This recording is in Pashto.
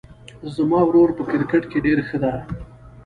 زما ورور په کرکټ کې ډېر ښه ده